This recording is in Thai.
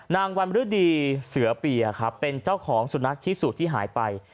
นางวันฤดีเสือเปียครับเป็นเจ้าของสุนัขชิสุที่หายไป